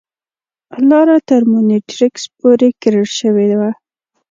لاره تر مونیټریکس پورې کریړ شوې وه.